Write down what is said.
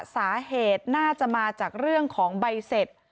สาเหตุน่าจะมาจากเรื่องของใบเสร็จ